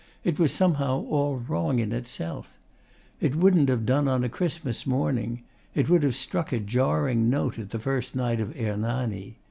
It was somehow all wrong in itself. It wouldn't have done on Christmas morning. It would have struck a jarring note at the first night of 'Hernani.